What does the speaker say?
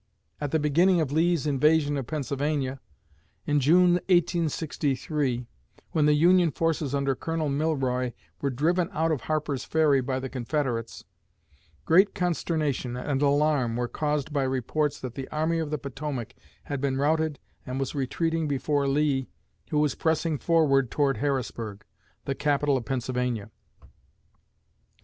At the beginning of Lee's invasion of Pennsylvania, in June, 1863, when the Union forces under Colonel Milroy were driven out of Harper's Ferry by the Confederates, great consternation and alarm were caused by reports that the Army of the Potomac had been routed and was retreating before Lee, who was pressing forward toward Harrisburg, the capital of Pennsylvania.